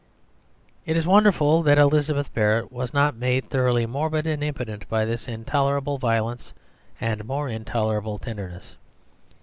It is wonderful that Elizabeth Barrett was not made thoroughly morbid and impotent by this intolerable violence and more intolerable tenderness.